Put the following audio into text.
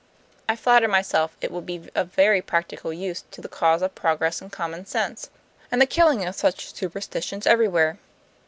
I flatter myself it will be of very practical use to the cause of progress and common sense, and the killing of such superstitions everywhere.